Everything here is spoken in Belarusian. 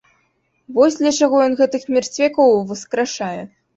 Вось для чаго ён гэтых мерцвякоў уваскрашае.